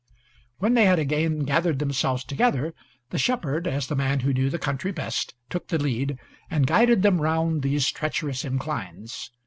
When they had again gathered themselves together, the shepherd, as the man who knew the country best, took the lead, and guided them round these treacherous inclines.